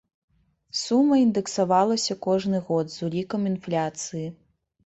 Сума індэксавалася кожны год з улікам інфляцыі.